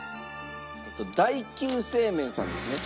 だい久製麺さんですね。